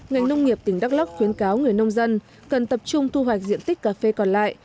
ngành nông nghiệp tỉnh đắk lắc khuyến cáo người nông dân cần tập trung thu hoạch diện tích cà phê còn lại